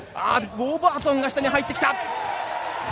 ウォーバートン下に入ってきた！